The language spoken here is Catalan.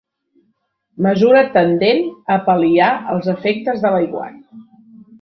Mesura tendent a pal·liar els efectes de l'aiguat.